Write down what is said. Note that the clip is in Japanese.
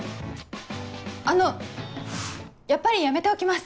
あのやっぱりやめておきます。